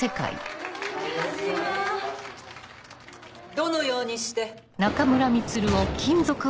・どのようにして？